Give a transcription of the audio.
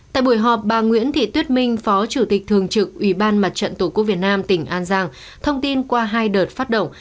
tại buổi họp bà nguyễn thị tuyết minh phó chủ tịch thường trực ubnd tq việt nam tỉnh an giang thông tin qua hai đợt phát động